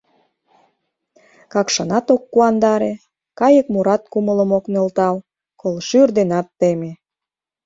Какшанат ок куандаре, кайык мурат кумылым ок нӧлтал, колшӱр денат теме.